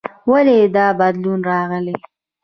ولې دا بدلون راغلی؟